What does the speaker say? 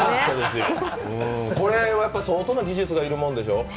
これは相当な技術が要るもんでしょ？